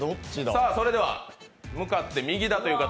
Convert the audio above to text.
それでは、向かって右だという方。